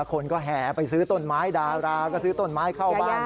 คนก็แห่ไปซื้อต้นไม้ดาราก็ซื้อต้นไม้เข้าบ้าน